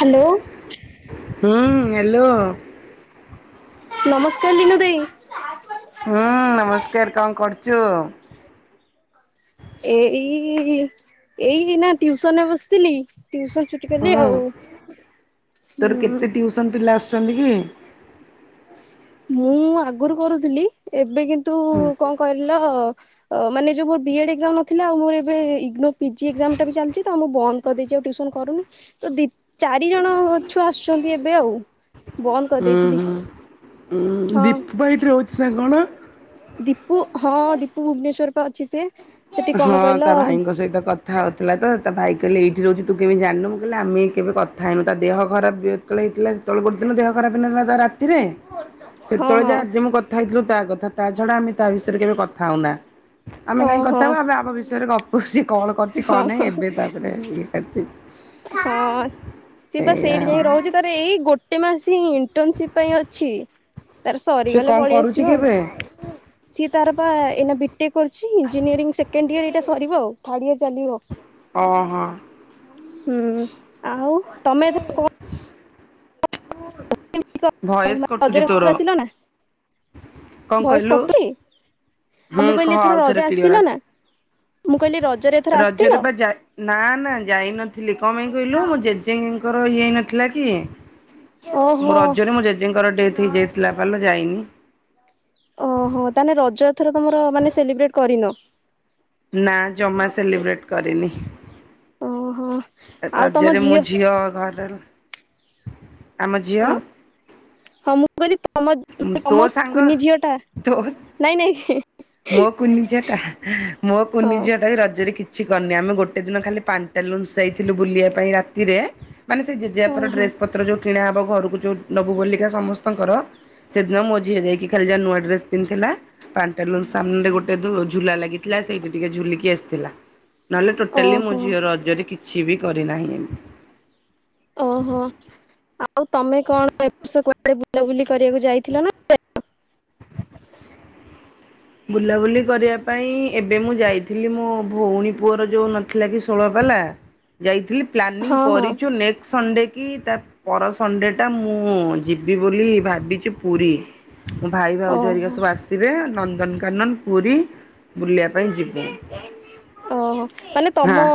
Hello. ହୁଁ hello. ନମସ୍କାର ଲିନୁ ଦେଇ। ହୁଁ ନମସ୍କାର କଣ କରୁଚୁ? ଏଇ ଏଇନା ଟିଉସନରେ ବସିଥିଲି। ଟିଉସନ୍ ଛୁଟି କଲି ହୁଁ ଆଉ ହୁଁ। ଅଛନ୍ତି କି? ମୁଁ ଆଗରୁ କରୁଥିଲି ଏବେ କିନ୍ତୁ କଣ କହିଲ ମାନେ ଯୋଉ ମୋର ବି ଏଗଜାମ୍ ନଥିଲା ଆଉ ମୋର ଏବେ ଇଗନୋ ପିଜି ଏଗଜାମ୍ ଟା ବି ଚାଲିଚି ତ ମୁଁ ବନ୍ଦ କରିଦେଇଛି ଆଉ ଟିଅସନ କରୁନି ତ ଦେଖି ଚାରି ଜଣ ଛୁଆ ଆସୁଛନ୍ତି ଏବେ ଆଉ ବନ୍ଦ କରିଦେଇଥିଲି। ହଁ ଦୀପଭାଇ ଏଠି ରହୁଛି ନା କଣ? ଦୀପୁ ହଁ ଦୀପୁ ଭୁବନେଶ୍ୱରରେ ପା ଅଛି ସିଏ। ହଁ ତା ଭାଇଙ୍କ ସହିତ କଥା ହଉଥିଲା ତ ତା ଭାଇ କହିଲେ ଏଇ ଯୋଉଥି ତୁ କିଣି ଜାଣିନୁ କଇଲେ ଆମେ କେବେ କଥାଇନୁ ତା ଦେହ ଖରାପ ଯେ -ଯେତେଳେ ହେଇଥିଲା ସେତେବେଳେ ଦିନ ଦେହ ଖରାପ ହେଇଥିଲା। ରାତିରେ। ସେତେବେଳେ ହଁ ଯା ଆଜି ମୁଁ କଥା ହେଇଥିଲୁ ତା କଥା ତା ଛଡା ଆମେ ତା ବିଷୟରେ କେବେ କଥା ହଉନା। ଆମେ ଓ କାହିଁକି ହଁ କଥା ହବୁ ଆବେ ଆମ ବିଷୟରେ ଗପୁ ଅଛି କଣ କରୁଛି କଣ ହଁ ନାହିଁ ଏବେ ତାପରେ ଏନ୍ତି ହଁ ସିଏ ବା ସେଇଠି ଆଉ। ଯାଇକ ରହୁଛି ତାର ଏଇ ଗୋଟେ ମାସ ଇଣ୍ଟର୍ନସିପ୍ ପାଇଁ ଅଛି। ତାର ସେ ସରିଗଲେ କଣ କରୁଛି ପଳେଇଆସିବ କି ଆଉ ଏବେ? ସିଏ ତାର ବା ଏଇନା ଛି ଇଞ୍ଜିନିୟରିଂ ସେକେଣ୍ଡ ଇୟର ଏଇଟା ସରିବ ଆଉ ଥାର୍ଡ ଇୟର ଚାଲିବ। ଓ ହୋ। ହୁଁ ଆଉ ତମେ ଏଥର କଣ ଭଏସ [unintelligible] କଟୁଛି ରଜରେ ତୋର ଆସିଲ ନା? କଣ ଭଏସ କହିଲୁ? କଟୁଚି ହୁଁ ମୁଁ କହିଲି କହ ଏଥର ଆଉଥରେ ରଜ ରେ କ୍ଲିୟର ଆସିଥିଲ ଆସ ନା? ମୁଁ କହିଲି ରଜରେ ଏଥର ଆସିଥିଲ? ରଜରେ ବା ଯାଇ ନା ନା ଯାଇ ନଥିଲି କ ପାଇଁ କହିଲୁ ମୁଁ ଯେ ଜେଜେଙ୍କର ଇଏ ହେ ନଥିଲା କି ଓହୋ ମୋ ରଜରେ ମୋ ଜେଜେଙ୍କର ଡେଥ ଥ ହେଇ ଯାଇଥିଲା ପଲୋ ଯାଇନି। ଓହୋ ତାହାଲେ ରଜ ଏଥର ତମର ମାନେ ସେଲିବ୍ରେଟ କରିନ? ନା ଜମା ସେଲିବ୍ରେଟ କରିନି। ଓହୋ। ଆଉ ତମ ରଜରେ ମୋ ଝିଅ ନୂଆ ଡ୍ରେସ ଆମ ଝିଅ ମୁ କଇଲି ତମ ତୋ ତମ ସାଙ୍ଗ କୁନି ଝିଅ ଟା ତୋ ନାଇଁ ନାଇଁ। ମୋ କୁନି ଝିଅ ଟା ମୋ ହଁ କୁନି ଝିଅ ଟା ବି ରଜରେ କିଛି କିଛି କରିନି ଆମେ ଗୋଟେ ଦିନ ଖାଲି ପାଣ୍ଟଆ ନୁଲ୍ସ ଯାଇଥିଲୁ ବୁଲିବା ପାଇଁ ରାତିରେ। ମାନେ ସେ ଜେଜେଆପର ଓହୋ ଡ୍ରେସ୍ ପତ୍ର ଯେଉଁ କିଣାହେବ ଘରକୁ ଯେଉଁ ନେବୁ ବୋଲିକା ସମସ୍ତଙ୍କର। ସେଦିନ ମୋ ଝିଅ ହେଇଯାଇକି ଖାଲି ଯା ନୂଆ ଡ୍ରେସ ପିନ୍ଧଥିଲା ପାଞ୍ଚ ସାମ୍ନାରେ ଗୋଟେ ଝୁ ଝୁଲା ଲାଗିଥିଲା ସେଇଠି ଟିକେ ଝୁଲିକି ଆସିଥିଲା। ନହେଲେ ଟୋଟାଲି ମୋ ଓହୋ ଝିଅର ରଜରେ କିଛି ବି କରିନାହିଁ ଏମିତି। ଓହୋ ଆଉ ତମେ କଣ ଏର୍ଷ କୁଆଡ ବୁଲାବୁଲି କରିବାକୁ ଯାଇଥିଲ ନା ଯାଇନ? ବୁଲାବୁଲି କରିବା ପାଇଁ ଏବେ ମୁଁ ଯାଇଥିଲି ମୋ ଭଉଣୀ ପୁଅର ଯେଉଁ ନଥିଲା କି ଷୋଳପାଲା ହେଲା ଯାଇଥିଲି ପ୍ଲାନିଂ ହଁ ହଁ କରିଚୁ ନେକ୍ସଟ ସଣ୍ଡେ କି ତା ପର ସଣ୍ଡେଟା ମୁଁ ଯିବି ବୋଲି ଭାବିଛି ପୁରୀ। ମୋ ଭାଇ ଭାଉଜରିକା ଓହୋ ସବୁ ଆସିବେ ନନ୍ଦନକାନନ, ପୁରୀ ବୁଲିବା ପାଇଁ ଯିବୁ। ଓହୋ ମାନେ ହଁ ତମ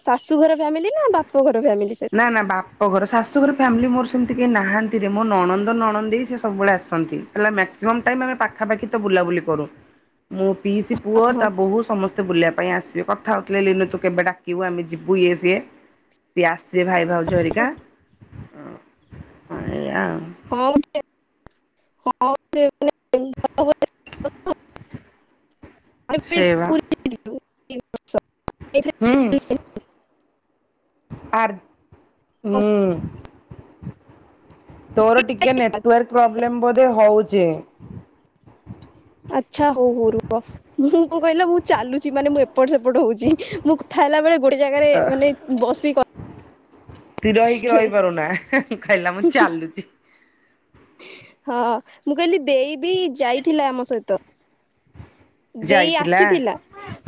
ଶାଶୁ ଘର ଫ୍ୟାମିଲି ନା ବାପ ଘର ଫ୍ୟାମିଲି? ସହିତ? ନା ନା ବାପ ଘର ଶାଶୁଘର ଫ୍ୟାମିଲି ମୋର ନାହାନ୍ତିରେ ମୋ ନଣନ୍ଦ ନଣନ୍ଦେଇ ସେ ସବୁବେଳେ ଆସନ୍ତି ହେଲା ମାକ୍ସିମମ୍ ଟାଇମ ପାଖାପାଖି ତ ବୁଲୁ ବୁଲାବୁଲି କରୁ। ମୋ ପିଇସି ପୁଅ ତା ବୋହୁ ସମସ୍ତେ ବୁଲିଆକୁ ଭାଇ ଆସିବେ କଥା ହଉଥିଲେ ଲିନୁ ତୁ କେବେ ଡାକିବୁ ଆମେ ଯିବୁ ଇଏ ସିଏ ଆସିବେ ଭାଇ ଭାଉଜହରିକା ହଁ ଏଇଁଆ ଆଉ। କଉଠି ଏବେ। [unintelligible] ଓଁ। [unintelligible] ସେଇବା। ହୁଁ ଆର ହୁଁ। ତୋର ଟିକେ ନେଟୱାର୍କ ପ୍ରୋବ୍ଲେମ୍ ବୋଧେ ହଉଚି। ଆଚ୍ଛା ହଉ ହଉ ରୁହ ମୁଁ କଣ କହିଲ ମୁଁ ଚାଲୁଛି ମାନେ ଏବେ ଏପଟ ସେପଟ ହେଉଛି ମୁଁ କଥାହେଲା ବେଳେ ଗୋଟେ ଜାଗାରେ ମାନେ ବସି କ ସ୍ତିର ହେଇକି ରହିପାରୁନା ହେଁ ହେଁ କହିଲା ମୁଁ ଚାଲୁଛି। ହଁ ମୁଁ କହିଲି ଦେଇ ବି ଯାଇଥିଲା ଆମ ସହିତ। ଦେଇ ଯାଇଥିଲା ଆସିଥିଲା।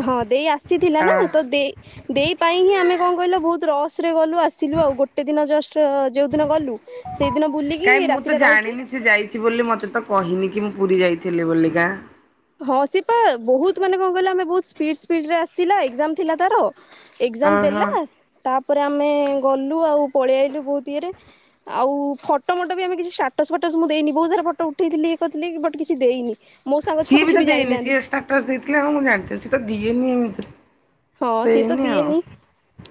ହଁ ଦେଇ ଆସିଥିଲା ନା ଆ ତ ଦେଇ ଦେଇ ପାଇଁ ହିଁ ଆମେ କଣ କହିଲ ବହୁତ ରସ ଗଲୁ ଆସିଲୁ ଆଉ ଗୋଟେ ଦିନ ଜଷ୍ଟ ଯୋଉ ଦିନ ଗଲୁ ସେଇଦିନ ବୁଲିକି କାଇଁ ମୁଁ ତ ରାତିରେ ରହିକି ଜାଣିନି ସେ ଯାଇଛି ବୋଲି ମତେ ତ କହିନି କି ମୁଁ ପୁରୀ ଯାଇଥିଲି ବୋଲିକା। ହଁ ସିଏପା ବହୁତ ମାନେ କଣ କହିଲ ଆମେ ବହୁ ସିର୍ପିଡ଼ସିର୍ପିଡ଼ ଆସିଲା ଏକ୍ଜାମ ଥିଲା ତାର। ଏକ୍ସଜାମ ଓହୋ ଦେଲା ତାପ ତାପରେ ଆମେ ଗଲୁ ଆଉ ପଳେଇ ଆଇଲୁ ବହୁତ ଇଏରେ ଆଉ ଫଟୋ ମୋଟ ବି ଆମେ କିଛି ଷ୍ଟାଟସ ଫାଟସ ମୁଁ ଦେଇନି ବହୁତ ସାରା ଫଟୋ ଉଠେଇଥିଲି ଇଏ କରିଥିଲି ବଟ କିଛି ଦେଇନି। ମୁ ସିଏ ବିି ତ ଦେଇନି ସିଏ ସ୍ଟାଟସ ଦେଇଥିଲେ ହଁ ମୁଁ ଜାଣିଥାନ୍ତି ସେ ତ ଦିଏନୀ ଏମିତିରେ। ହଁ ସିଏ ତ ଦେଇନି ଆଉ। ଦିଏନି,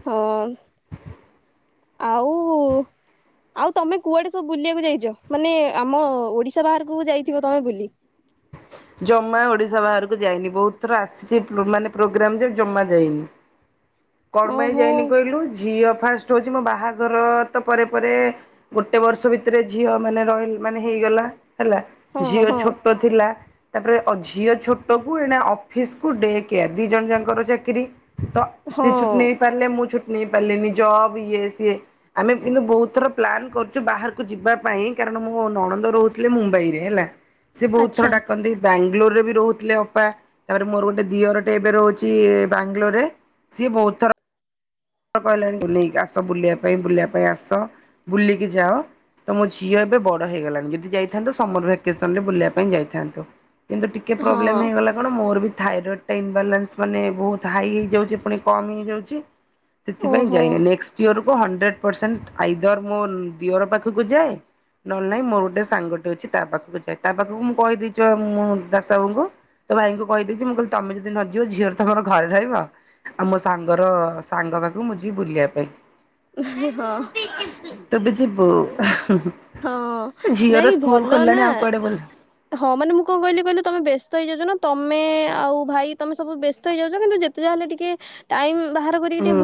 ହଁ। ଆଉ-ଉ ଆଉ ତମେ କୁଆଡେ ସବୁ ବୁଲିବାକୁ ଯାଇଚ? ମାନେ ଆମ ଓଡିଶା ବାହାରକୁ ଯାଇଥିବ ତମେ ବୁଲି। ହଁ ଜମା ଓଡିଶା ବାହାରକୁ ଯାଇନି। ବହୁତ ଥର ଆସିଛି ମାନେ ପ୍ରୋଗ୍ରାମ ଯେ, ଜମା ଯାଇନି। ହଁ କଣପାଇଁ ଯାଇନି କହିଲୁ? ଝିଅ ଫାଷ୍ଟ ହଉଛି। ମୋ ବାହାଘର ତ ପରେପରେ ଗୋଟେ ବର୍ଷ ଭିତରେ ଝିଅ ମାନେ ରହିଲ ମାନେ ହେଇ ଗଲା ହେଲା, ହଁ ଝିଅ ହଁ ଛୋଟ ଥିଲା। ତାପରେ, ଝିଅ ଛୋଟ କୁ ଏଣେ ଅଫିସକୁ ଡେ କେୟାର ଦି ଜଣ ଯାଙ୍କର ଚାକିରି ତ ସେ ହଁ ଛୁଟି ନେଇ ପାରିଲଲେ। ମୁଁ ଛୁଟି ନେଇଁ ପାରିଲେନି। ଜବ ଇଏ ସିଏ, ଆମେ କିନ୍ତୁ ବହୁତ ଥର ପ୍ଲାନ୍ କରୁଛୁ, ବାହାରକୁ ଯିବା ପାଇଁ କା ମୋ ନଣନ୍ଦ ରହୁଥିଲେ ମୁମ୍ବାଇ ରେ ହେଲା। ସେ ବହୁତ ଥର ଆଚ୍ଛା ଡାକ ବାଙ୍ଗଲୋରରେ ରେ ବି ରହୁଥିଲେ ଅପା। ତାପରେ ମୋର ଗୋଟେ ଦିଅରଟେ, ଏବେ ରହୁଛି ବାଙ୍ଗଲୋରରେ। ସିଏ ବହୁତ ଥର ହଁ, କହିଲାଣି ନେଇକି ଆସ ବୁଲିବା ପାଇଁ। ବୁଲିବା ପାଇଁ ଆସ ବୁଲିକି ଯାଅ। ତ ମୋ ଝିଅ ଏବେ ବଡ ହେଇଗଲାଣି। ଯଦି ଯାଇଥାନ୍ତୁ ସମର ଭ୍ୟାକେସନ ରେ ବୁଲିବା ପାଇଁ ଯାଇଥାନ୍ତୁ। ହେଲେ କିନ୍ତୁ, ଟିକେ ହଁ ପ୍ରୋବ୍ଲେମେ ହେଇଗଲା କଣ? ମୋରବି ଥାଇରଏଡ଼୍ଟା ଇନବାଲାନ୍ସ! ମାନେ ବହୁତ ହାଇ ହେଇ ଯାଉଛି ପୁଣି କମ୍ ହେଇଯାଉଛି। ସେଥିପାଇଁ ଓହୋ ଯାଇନି। ନେକଷ୍ଟଇୟର କୁ ହଣ୍ଡ୍ରେଡ଼ ପରସେଣ୍ଟ ଆଇଦର ମୋ ଦିୟର ପାଖକୁ ଯାଏ। ନହେଲେ ନାଇଁ, ମୋର ଗୋଟେ ସାଙ୍ଗଟେ ଅଛି ତା ପାଖକୁ ଯାଏ। ତା ପାଖକୁ ମୁଁ କହିଦେଇଚି, ବା ମୁଁ ଦାସ ବାବୁଙ୍କୁ ତ ଭାଇଙ୍କୁ କହିଦେଇଛି ମୁଁ କହିଲି ତମେ ଯଦି ନଯିବ। ଝିଅର ତମର ଘରେ ରହିବ। ଆଉ ମୋ ସାଙ୍ଗର ଅ ସାଙ୍ଗ ବାଘ ମୁଁ ଯିବି ଭୁଲିବା ପାଇଁ। ହଁ ତୁ ବି ଯିବୁ। ହଁ ଝିଅର ନାଇଁ ସ୍କୁଲ ଭଲ ଖୋଲିଲାଣି ନାଁ। ଆଉ କୁଆଡେ ବୁଲ ହଁ, ମାନେ ମୁଁ କଣ କହିଲି କହିଲ? ତମେ ବ୍ୟସ୍ତ ହେଇଯାଉଛ ନାଁ! ତମେ ଆଉ ଭାଇ ତମେ ସବୁ ବ୍ୟସ୍ତ ହେଇଯାଉଛ। ଯେତେ ଯାହା ହେଲେ ଟିକେ ଟାଇମ୍ ହୁଁ,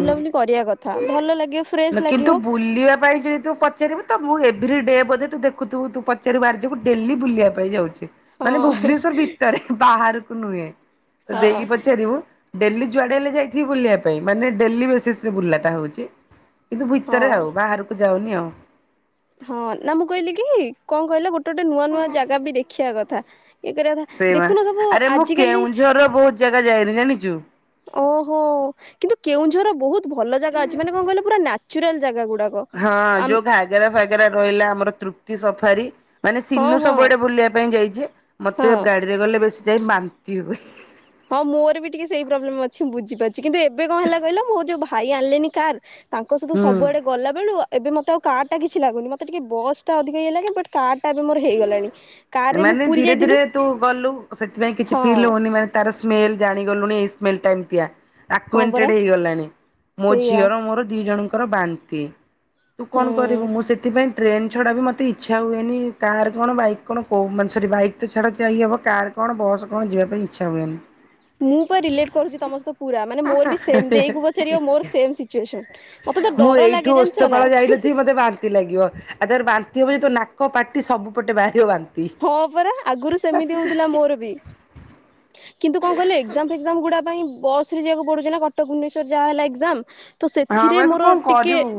ଲାଗିବ ଫ୍ରେଶ କିନ୍ତୁ ଲାଗିବ ବୁଲିବା ପାଇଁ ଯେହେତୁ ପଚାରିବୁ, ତ ମୁଁ, ଏଭିର୍ରୀଡେ ବଧେ ତୁ ଦେଖୁଥୁବୁ ତୁ ପଚାରିିବୁ ଆର୍ଜୁକୁ ଡେଲି ବୁଲିବା ପାଇଁ ଯାଉଛି। ହଁ ମାନେ ଭୁବନେଶ୍ୱର ଭିତରେ ବାହାରକୁ ନୁହେଁ। ତୋ ହଁ ଦେଇକି ପଚାରିବୁ। ଡେଲି ଯୁଆଡେ ହେଲେ ଯାଇଥିବି ବୁଲିବା ପାଇଁ ମାନେ ଡେଲି ବେସିସ୍ ରେ ବୁଲାଟା ହଉଛି। କିନ୍ତୁ, ଭିତରେ ହଁ ଆଉ ବାହାରକୁ ଯାଉନି ଆଉ। ହଁ ନା ମୁଁ କହିଲି କି କଣ କହିଲ, ଗୋଟେ ଗୋଟେ ନୁଆଁ ନୁଆଁ ଜାଗା ବି ଦେଖିଆ କଥା। ଇଏ କରିବାଥା ସେ ମା ଦେଖୁନ ସବୁ ଆରେ ମୁଁ ଆଜିକାଲି କେଉଁଝରର ବହୁତ ଜାଗା ଯାଇନି ଜାଣିଛୁ ଓହୋ! କିନ୍ତୁ କେଉଁଝର ବହୁତ ଭଲ ଜାଗା ଅଛି। ମାନେ କଣ କହିଲ ପୁରା ନାଚୁରାଲ ଜାଗା ଗୁ ହଁ ଯୋଉ ଘାଗେରା ଫାଗେରା ରହିଲା। ଆମର ତୃପ୍ତି ସଫାରି ମାନେ ହଁ ସିନୁ ହଁ ସବୁଆଡେ ବୁଲିବା ପାଇଁ ଯାଇଛି। ହଁ ମତେ ଗାଡିରେ ଗଲେ ବେଶୀ ଟାଇମ୍ ବାନ୍ତି ହୁଏ। ହଁ ମୋର ବି ଟିକେ ସେଇ ପ୍ରୋବ୍ଲେମ ଅଛି। ମୁଁ ବୁଝିପାରୁଚଛି କିନ୍ତୁ ଏବେ କଣ ହେଲା କହିଲ, ମୋ ଯୋଉ ଭାଇ ଆଣିଲେନି କାର! ତାଙ୍କ ସହିତ ହୁଁ। ସବୁଆଡେ ଗଲା ବେଳୁ ଏବେ ମତେ ଆଉ କାର୍ ଟା କିଛି ଲାଗୁନି। ମତେ ଟିକେ ବସ୍ ଟା ଅଧିକ ଇ ଲାଗେ ବଟ୍ କାର୍ ଟା ଏବେ ମୋର ହେଇଗଲାଣି କାର୍ ରେ ମୁଁ ମାନେ ପୁରୀ ଧୀରେ ଧୀରେ ଯାଇଥିଲୁ ତୁ ଗଲୁ ସେଥିପାଇଁ କିଛି ହଁ ଫିଲ୍ ହଉନି ମାନେ ତାର ସ୍ମେଲ ଜାଣିଗଲୁଣି ଏ ସ୍ମେଲ ଟା ଏମିତିଆ। ହଁ ପରା ଆକୁଏଣ୍ଟେଡ଼ ହେଇଗଲାଣି। ମୋ ସେଇଆ ଝିଅର ମୋର ଦି ଜଣଙ୍କ ଙ୍କର ବାନ୍ତି। ତୁ କଣ ହୁଁ କରିବୁ ମୁଁ ସେଥିପାଇଁ ଟ୍ରେନ ଛଡା ବି ମୋତେ ଇଚ୍ଛା ହୁଏନି କାର୍ କଣ, ବାଇକ୍ କଣ, କଉ ସରି ବାଇକ୍ ତ ଛାଡ ଜା ଇଏ ହବ କାର୍ କଣ, ବସ୍ କଣ, ଯିବା ପାଇଁ ଇଚ୍ଛା ହୁଏନି। ମୁଁ ପା ରିଲେଟ କରୁଛି ତମସହିତ ପୁରା, ମାନେ ମୋର ବି ସେମ୍ ଦେଇକୁ ପଚାରିବ, ମୋର ସେମ୍ ସିଚୁଏସନ। କେତେ ତ ମୁଁ ଡର ଲାଗେ! ଜାଣିଛ ନା ଇଅ, ଆଉ ତାର ବାନ୍ତିି ହବ ତ ନାକ ପାଟି ସବୁପଟେ ବାହାରିବ ବାନ୍ତ ହଁ ପରା ଆଗରୁ ସେମିତି ହଉଥିଲା ମୋର ବି। କିନ୍ତୁ କଣ କହିଲ, ଏକ୍ଜାମ ଫେକ୍ଜାମ ଗୁଡା ପାଇଁ ବସ ରେ ଯିବାକୁ ପଡୁଚି ନା କଟକ ଭୁବନେଶ୍ୱର ଯାହା ହେଲା ଏକ୍ଜାମ। ତ ହଁ ସେଥିରେ ବା ତୁ ମୋର କଣ ଟିକେ, କରିବୁ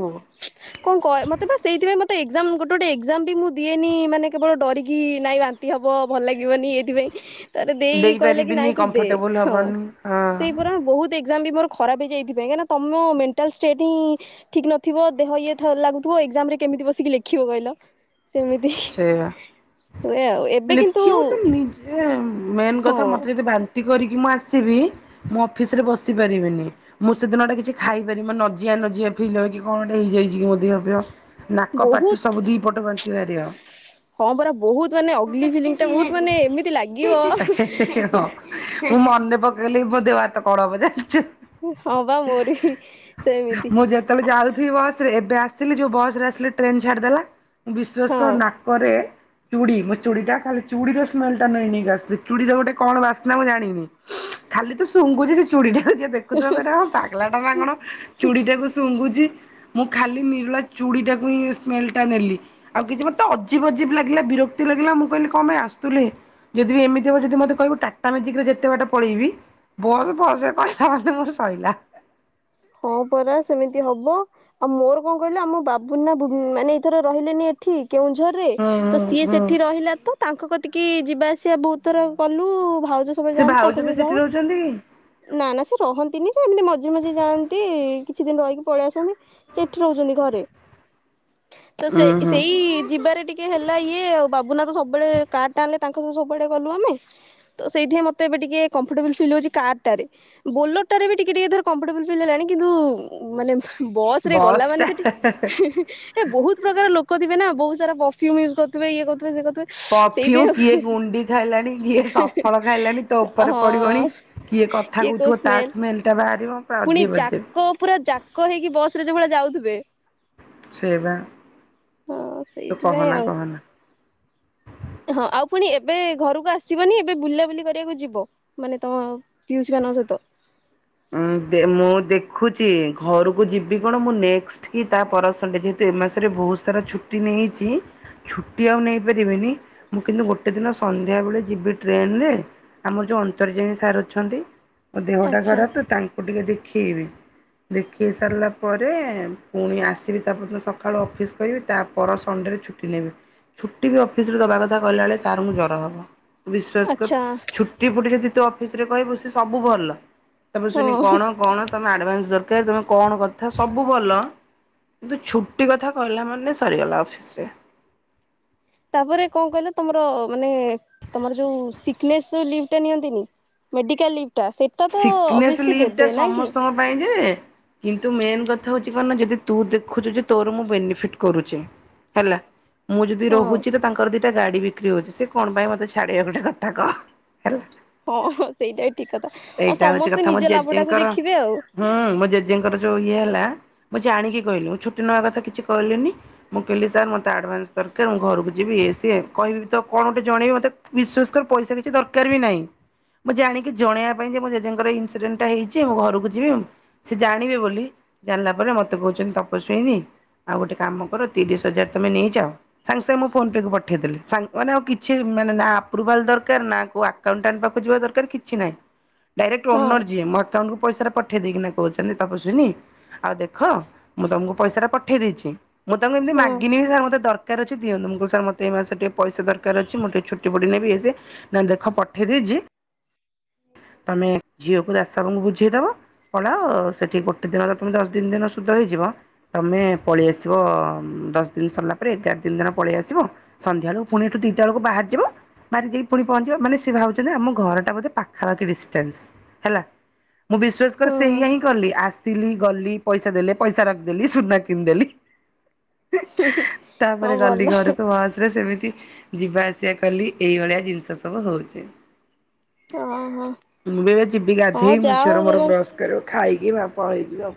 କଣ କହ! ମତେ ବା ସେଇଥିପାଇଁ ମତେ ଏକ୍ଜାମ ମ ଗୋଟେ ଗୋଟେ ଏକ୍ଜାମ ବି ମୁଁ ଦଏନି ମାନେ କେବଳ ଡିରିକି। କି ନାଇଁ ବାନ୍ତି ହବ। ଭଲ ଲାଗିବନି ଏଇଥିପାଇଁ। ତାପରେ ଦେଇ କହିଲା କି ଦେଇପାରିବିନି ନାଇଁ ତୁ ଦେ କମ୍ଫର୍ଟେବୁଲ୍ ହଁ ହବନି ହଁ। ସେଇପରା ବହୁତ ଏ ବି ମୋର ଖରାପ ହେଇଯାଇଥିବ କାଇଁନା ତମ ମେଟାଲ୍ ଷ୍ଟେଟ ହିଁ ଠିକ ନ ଥିବ ଦେହ ଇଏ ଲାଗୁଥିବ ଏଗଜାମ ରେ କେମିତି ବସିକି ଲେଖିବ କହିଲ କେମିତି ଲେଖିବ ତ ନିଜେ ମେନ୍ ହଁ କଥା ମତେ ଯଦି ବାନ୍ତି କରିକି ମୁଁ ଆସିବି ମୁଁ ଅଫିସ ରେ ବସି ପାରିବିନି। ମୁଁ ସେଦିନ ଟା କିଛି ଖାଇପାରିବି ମାନେ ନଜିଆ ଜିଅ ଫିଲ୍ ହୁଏ। କି କଣେ ହେଇଯାଇଛି। କି ମୋ ଦେହ ଫେହ ନାକ ପାଟି ବହୁତ ସବୁ ଦି ପଟେ ବାନ୍ତି ବାହାରିବ। ହଁ ପରା ବହୁତ ମାନେ ଅଗଲି ଫିଲଙ୍ଗ ଟା ବହୁତ ମାନେ ଏମିତି ଲାଗିବ ମୁଁ ମନେ ପକେଇଲି ମୋ ଦେହ ହାତ କଣ ହବ ଜାଣିଛୁ ହଁ ବା ମୋର ବି ସେମିତି ମୁଁ ଯେତେବେଳେ ଯାଉଥିବି ବସ ରେ ଏବେ ଆସିଥିଲି ଯୋଉଁ ବସ ରେ ଆସିଲି ଟ୍ରେନ ଛାଡିଦେଲା ନାକ ହଁ। ନାକରେ ଚୁଡି ମୋ ଚୁଡି ଟା ଖାଲି ଚୁଡିର ସ୍ମେଲ ଟା [unintelligible] ଚୁଡି ଗୋଟେ କଣ ବାସନା ମୁଁ ଜାଣିନି। ଖାଲି ତ ଶୁଗୁଁଛି ସେ ଚୁଡ଼ିଟା ଯିଏ ଦେଖୁଥିବ କହିବ ପାଗଲାଟା ନା କଣ ଚୁଡ଼ିଟାକୁ ଶୁଘୁଛି ମୁଁ ଖାଲି ନିରଳା ଚୁଡ଼ିଟାକୁ ହିଁ ସ୍ମେଲ ଟା ନେଲି ଆଉ କିଛି ମୋତେ ଅଜିବି ଅଜିବି ଲାଗିଲା ବିରକ୍ତି ଲାଗିଲା। ମୁଁ କହିଲି କଣ ପାଇଁ ଆସୁଥିଲି ଯଦି ବି ଏମିତି ହେବ ଯଦି ମତେ କହିବ ଟାଟା ମେଜିକରେ ଯେତେ ବାଟ ପଳେଇବି ବସ୍ ଫସ ରେ କହିଲା ମାନେ ମୋର ସଇଲା। ହଁ ପରା ସେମିତି ହବ ଆଉ ମୋର କଣ କହିଲ ଆମ ବାବୁ ନା ମାନେ ଏଇଥର ରହିଲେନି ଏଠି କେଉଁଝରରେ ହୁଁ ତ ସିଏ ହୁଁ ହୁଁ। ସେଠି ରହିଲା ତ ତାଙ୍କ କତିକି ଯିବା ଆସିବା ବହୁତ ଥର କଲୁ ଭାଉଜ ସବୁବେଳେ ସେ ଯାଆନ୍ତି। ଭାଉଜ ତାଙ୍କ ବି ସବୁ ଯାଉଁ ସେଠି ରହୁଛନ୍ତି କି? ନା ନା ସେ ରହନ୍ତିନି ସେ ଏମିତି ମଝିରେ ମଝିରେ ଯାଆନ୍ତି କିଛି ଦିନ ରହିକି ପଳେଇ ଆସନ୍ତି। ସେ ଏଠି ରହୁଛନ୍ତି ଘରେ ତ ସେ ଉୁଁ ହୁଁ ସେଇ ଯିବାରେ ଟିକେ ହେଲା ଇଏ ଆଉ ବାବୁ ଭୁବୁନା ତ ସବୁବେଳେ କାର୍ ଟା ଆଣିଲେ। ତାଙ୍କ ସହିତ ସବୁବେଳେ ଗଲୁ ଆମେ। ତ ସେଇଠି ମତେ ଏବେ ଟିକେ କମ୍ଫର୍ଟବୁଲ ଫିଲ୍ ହଉଛି। କାର ଟା ରେ ବୋଲର ଟାରେ ବି ଟିକେ ଟିକେ ଧର କମ୍ଫଟେବୁଲ ପିଲାଣି କିନ୍ତୁ ମାନେ ବସ ରେ ଗଲା ବସ୍ ମାନେ ଟା ସେଠି ହେଁ ହେଁ ବହୁତ ପ୍ରକାର ଲୋକ ଥିବେ ନା ବହୁତ ସାରା ପରଫ୍ୟୁ ୟୁଜ କରୁିଥିବେ ଇଏ କରୁ ଥିବେ ସେ ପରଫ୍ୟୁମ କିଏ ଗୁଣ୍ଡି ଖାଇଲାଣି କିଏ ସଫଳ ଖାଇଲାଣି ତୋ ଉପରେ ପଡିବଣି ହଁ କିଏ କିଏ କଥା କୋଉ କହୁଥିବ ତା ସ୍ମେଲ ସ୍ମେଲଟା ବାହାରିବ। ପୁରା ପୁଣି ଅଜୀବ ଅଜୀବ ଯାକ ପୁରା ଯାକ ହେଇକି ବସରେ ଯୋଉଁ ଭଳିଆ ଯାଉଥିବେ ସେଇବା ହଁ ତୁ ସେଇଥିପାଇଁ କହନା ଆଉ। କହନା ହଁ ଆଉ ପୁଣି ଏ ଏବେ ଘରକୁ ଆସିବନି ଏବେ ବୁଲା ବୁଲି କରିବାକୁ ଯିବ ମାନେ ତମ ପିୟୁସି ମାନଙ୍କ ସହିତ ଉଁ ଦେ ମୁଁ ଦେଖୁଛି ଘରକୁ ଯିବି କଣ ମୁଁ ନେଷ୍ଟ କି ତା ପର ସନ ଡେ ଯେହେତୁ ଏ ମାସରେ ବହୁତସାରା ଛୁଟି ନେଇଛି। ଛୁଟି ଆଉ ନେଇପାରିବିନି। ମୁଁ କିନ୍ତୁ ଗୋଟେ ଦିନ ସନ୍ଧ୍ୟାବେଳେ ଯିବି ଟ୍ରେନରେ ଆମର ଯେଉଁ ଅନ୍ତର୍ଜଣୀ ସାର୍ ଅଛନ୍ତି। ମୋ ଦେହଟା ଆଚ୍ଛା ଖରାପ ମୁଁ ଟିକେ ଦେଖେଇବି ଦେଖେଇ ସାରିଲା ପରେ ପୁଣି ଆସିବି ତାପର ଦିନ ସକାଳୁ ଅଫିସ କରିବି ତାପର ସନ ଛୁଟି ନେବି ଛୁଟି ବି ଅଫିସରେ ଦବା କଥା କିହିଲା ବେଳେ ସାରଙ୍କୁ ଜ୍ୱର ହବ। ବିଶ୍ୱାସ କର ଆଚ୍ଛା ଛୁଟି ଫୁଟି ଯଦି ତୁ ଅଫିସ ରେ କହିବୁ ସେ ସବୁ ଭଲ। ତାମର ଶୁନି ହଁ କଣ କଣ ତମେ ଆଡ଼ଭାନ୍ସ ଦରକାର ତମେ କଣ କଥା ସବୁ ଭଲ କିନ୍ତୁ ଛୁଟି କଥା କହିଲା ମାନେ ସରିଗଲା ଅଫିସରେ। ତାପରେ କଣ କହିଲ ତମର ମାନେ ତମର ଯୋଉଁ ସିକନେସର ଲିଭଟା ନିଅନ୍ତିନି? Medical leave. ଟା ସେଟା ତ ସିକନେସ୍ ଅଭିଅସଲି ଲିଭଟା ଦେବେ ନା କି ସମସ୍ତଙ୍କ ପାଇଁ ଯେ କିନ୍ତୁ ମେନ୍ କଥା ହଉଛି କଣନା ଯଦି ତୁ ଦେଖୁଛୁ ଯେ ତୋର ମୁଁ ବେନିଫିଟ୍ କରୁଛି। ହେଲା। ମୁଁ ଯଦି ହଁ ରହୁଛି ତ ତାଙ୍କର ଦିଟା ଗାଡି ବିକ୍ରି ହଉଛି ସେ କଣ ପାଇଁ ମତେ ଛାଡିବେ ଗୋଟେ କଥା କହ ହେଲା। ହଁ, ହଁ ସେଇଟା ଠିକ କଥା ଆଉ ଏଇଟା ହଉଛି ସମସ୍ତେ କଥା ମୋ ନିଜ ଲାଭ ଟାକୁ ଜେଜେଙ୍କର ଦେଖିବେ ଆଉ ହୁଁ ମୋ ଜେଜେଙ୍କର ଯୋଉ ଇଏ ହେଲା ମୁଁ ଜାଣିକି କହିଲି ମୁଁ ଛୁଟି ନେବା କଥା କିଛି କହିଲିନି ମୁଁ କହିଲି ସାର୍ ମତେ ଆଡଭାନ୍ସ ଦରକାର ମୁଁ ଘରକୁ ଯିବି। କିଏ ସିଏ କହିବି ତ କଣ ଗୋଟେ ଜଣେଇବି ମତେ ବିଶ୍ଵାସ କରି ପଇସା କିଛି ଦରକାର ବି ନାହିଁ। ମୁଁ ଜାଣିକି ଜଣେଇଆକୁ ପାଇଁ ଯେ ମୋ ଜେଜେଙ୍କର ଇନସିଡେଣ୍ଟଟା ହେଇଚି ମୁଁ ଘରକୁ ଯିବି, ସେ ଜାଣିବେ ବୋଲି ଜାଣିଲା ପରେ ମୋତେ କହୁଚି ତପସ୍ୱିନୀ ଆଉ ଗୋଟେ କାମ କର ତିରିଶ ହଜାର ତମେ ନେଇଯାଅ, ସାଙ୍ଗେ ସାଙ୍ଗେ ମୋ ଫୋନ ପେ କୁ ପଠେଇଦେଲେ। ସାଙ୍ଗ ମାନେ ଆଉ କିଛି ମାନେ ନା ଆପ୍ରୁଭାଲ ଦରକାର ନା କୋଉ ଆକାଉଣ୍ଟାଣ୍ଟ ପାଖକୁ ଯିବା ଦରକାର କିଛି ନାହିଁ। ଡାଇରେକ୍ଟ ହଁ ଓନର ଯିଏ ମୋ ଆକାଉଣ୍ଟକୁ ପଇସାରା ପଠେଇ ଦେଇକିନା କହୁଛନ୍ତି ତପଶୁନି ଆଉ ଦେଖ ମୁଁ ତମକୁ ପଇସାରା ପଠେଇ ଦେଇଛି। ମୁଁ ତାଙ୍କୁ ଏମତି ହଁ ମାଗିନି ବି ସାର୍ ମତେ ଦର ଦରକାର ଅଛି ଦିଅନ୍ତୁ। ମୁଁ କହିଲ ସାର୍ ମୋତେ ଏଇ ମାସରେ ଟିକେ ପଇସା ଦରକାର ଅଛି ମୁଁ ଟିକେ ଛୁଟି ଫୁଟି ନେବି ଇଏ ସିଏ, ନା ଦେଖ ପଠେଇ ଦେଇଛି ହୁଁ। ତମେ ଝିଅକୁ ଦାଶବାବୁଙ୍କୁ ବୁଝେଇଦବ ପଳାଅ ସେଠି ଗୋଟେ ଦିନ ତ ତମେ ଦଶ ଦିନି ଦିନ ଶୁଦ୍ଧ ହେଇଯିବ, ତମେ ପଳେଇ ଆସିବ ଦଶ ଦିନ ସରିଲା ପରେ ଏଗାର ଦିନ ଦିନ ପଳେଇ ଆସିବ। ସନ୍ଧ୍ୟାବେଳକୁ ପୁଣି ଏଠୁ ଦିଟା ବେଳକୁ ବାହାରିଯିବ। ବାହାରି ଯାଇକି ପୁଣି ପହଞ୍ଚିବ ମାନେ ସେ ଭାବଛନ୍ତି ଆମ ଘରଟା ବୋଧେ ପାଖ ଖା କି ଡିଷ୍ଟାନ୍ସ ହେଲା ମୁଁ ବିଶ୍ଵାସ କର ହୁଁ ସେୟା ହିଁ କଲି ଆସିଲି ଗଲି ପଇସା ଦେଲେ ପଇସା ରଖିଦେଲି ସୁନା କିଣିଦେଲି। ହଁ ତାପରେ ଗଲି ଭଲ ଘରକୁ ବସରେ ସେମିତି ଯିବା ଆସିବା କଲି ଏଇଭଳିଆ ଜିନିଷ ସବୁ ହଉଛି। ହଁ ହଁ ମୁଁ ବି ଏବେ ଯିବି ହଁ ଗାଧେଇ ମୋ ଯାହା ହଉ ଝିଅର ମୋର ତମେ ବ୍ରସ କରିବୁ, ଖାଇକି କି ବାପ ହେଇଚି ଲୋ।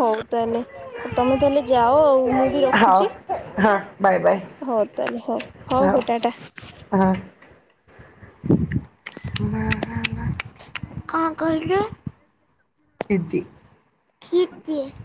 ହଉ ତାହେଲେ ଆଉ ତମେ ତାହେଲେ ଯାଅ ଆଉ ମୁଁ ବି ହଉ ରଖୁଛି। ହଁ ହଁ ବାଏ ବାଏ ହଉ ତାହେଲେ ହଉ ହଉ ଟା ହଁ ଟା। କଣ କହିଲେ? [unintelligible]